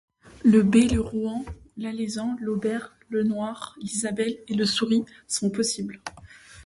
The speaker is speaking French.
Le bai, le rouan, l'alezan, l'aubère, le noir, l'isabelle et le souris sont possibles.